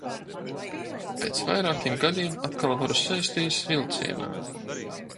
Pēc vairākiem gadiem atkal varu sēsties vilcienā.